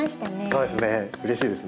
そうですね。